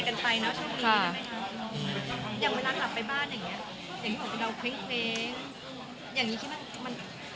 อย่างเวลาหลับไปบ้านอย่างเงี้ยอย่างที่บอกว่าเราเคร้ง